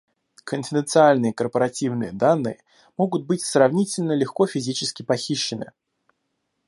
Конфиденциальные корпоративные данные могут быть сравнительно легко физически похищены